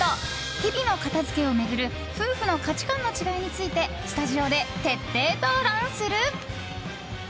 日々の片付けをめぐる夫婦の価値観の違いについてスタジオで徹底討論する！